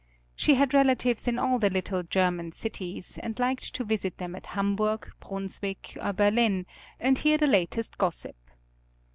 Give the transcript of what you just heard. She had relatives in all the little German cities, and liked to visit them at Hamburg, Brunswick, or Berlin, and hear the latest gossip.